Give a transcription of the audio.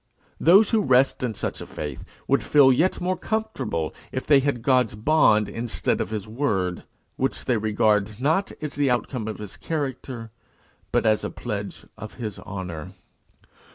Those who rest in such a faith would feel yet more comfortable if they had God's bond instead of his word, which they regard not as the outcome of his character, but as a pledge of his honour.